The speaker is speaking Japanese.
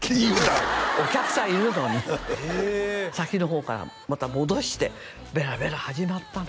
お客さんいるのにへえ先の方からまた戻してベラベラ始まったの